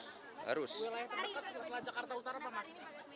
wilayah terdekat jakarta utara apa mas